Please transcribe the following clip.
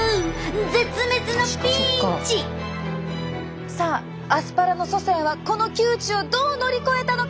絶滅のピンチ！さあアスパラの祖先はこの窮地をどう乗り越えたのか！？